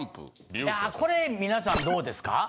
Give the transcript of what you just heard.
いやこれみなさんどうですか？